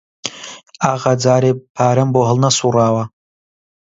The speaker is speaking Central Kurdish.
ئاغا جارێ پارەم بۆ هەڵنەسووڕاوە